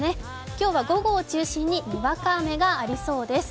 今日は午後を中心ににわか雨がありそうです。